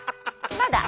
まだ？